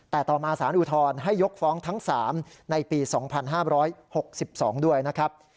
แต่ต่อมาสารอุทธรณ์ให้ยกฟ้องทั้ง๓ในปี๒๕๖๒ด้วยนะครับ